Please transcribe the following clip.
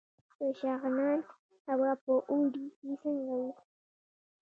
د شغنان هوا په اوړي کې څنګه وي؟